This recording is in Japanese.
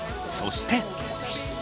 そして。